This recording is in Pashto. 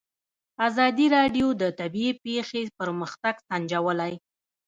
ازادي راډیو د طبیعي پېښې پرمختګ سنجولی.